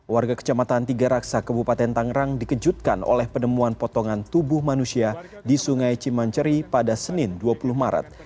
warga kecamatan tiga raksa kebupaten tangerang dikejutkan oleh penemuan potongan tubuh manusia di sungai cimanceri pada senin dua puluh maret